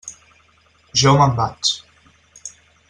Jo me'n vaig.